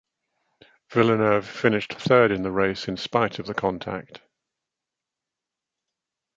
Villeneuve finished third in the race in spite of the contact.